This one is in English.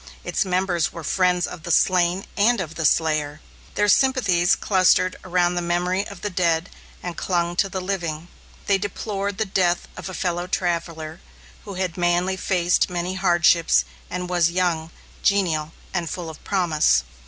Its members were friends of the slain and of the slayer. Their sympathies clustered around the memory of the dead, and clung to the living. They deplored the death of a fellow traveller, who had manfully faced many hardships, and was young, genial, and full of promise.